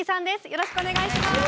よろしくお願いします。